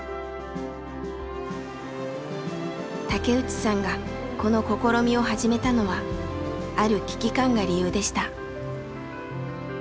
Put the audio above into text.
竹内さんがこの試みを始めたのはある危機感が理由でした。